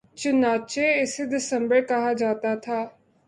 چنانچہ اسے دسمبر کہا جاتا تھا